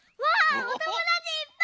はい！